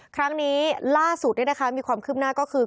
ครั้งนี้ล่าสุดมีความคืบหน้าก็คือ